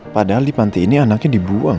padahal di panti ini anaknya dibuang